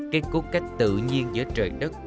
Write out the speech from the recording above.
cái cốt cách tự nhiên giữa trời đất